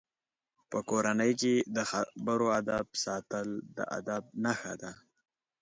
په کورنۍ کې د خبرو آدب ساتل د ادب نښه ده.